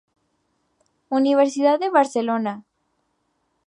Universidad de Barcelona.